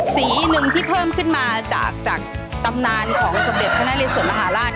สีหนึ่งที่เพิ่มขึ้นมาจากตำนานของสมเด็จพระนาริสวรมหาราช